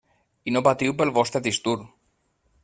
I no patiu pel vostre disc dur.